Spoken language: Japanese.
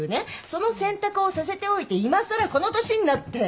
その選択をさせておいていまさらこの年になって。